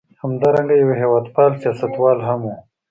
همدارنګه یو هېواد پال سیاستوال هم و.